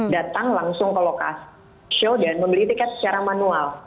datang langsung ke lokasi show dan membeli tiket secara manual